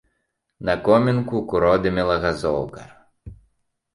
На комінку куродымела газоўка.